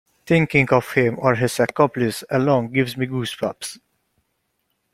Thinking of him or his accomplice alone gives me goose bumps.